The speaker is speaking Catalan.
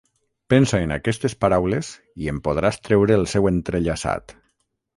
Pensa en aquestes paraules i en podràs treure el seu entrellaçat.